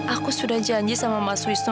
aku sudah janji sama mas wisnu